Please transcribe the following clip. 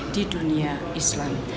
di dunia islam